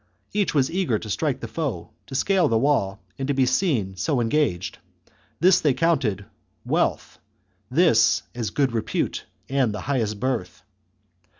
Each was eager to strike the foe, to scale the wall, and to be seen so engaged; this they counted wealth, this as good repute and the highest birth.